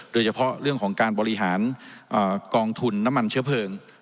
โดยเฉพาะเรื่องของการบริหารกองทุนน้ำมันเชื้อเพลิง